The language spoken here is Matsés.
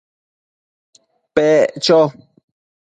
Pec cho